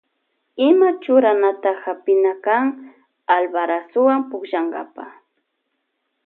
Ima churanata hapina kan Alba rasuwa pukllankapa.